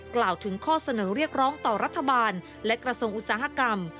กล่าวถึงข้อเสนอเรียกร้องต่อรัฐบาลและกระทรวงอุตสาหกรรม